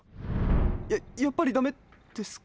やっやっぱりダメですか？